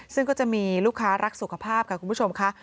ซึ่งก็จะมีลูกค้ารักสุขภาพค่ะคุณผู้ชมค่ะ